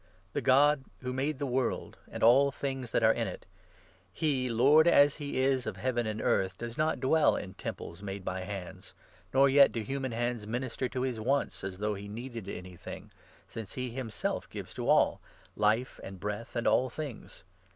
The God 24 who made the world and all things that are in it — he, Lord as he is of Heaven and Earth, does not dwell in Temples made by hands, nor yet do human hands minister to his 25 wants, as though he needed anything, since he himself gives, to all, life, and breath, and all things.